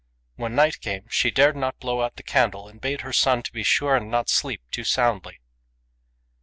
When night came she dared not blow out the candle, and bade her son be sure and not sleep too soundly.